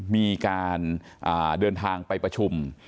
มีการเดินทางไปประชุม